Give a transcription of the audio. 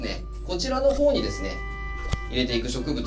こちらの方にですね入れていく植物